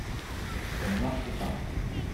Ça ne marche pas.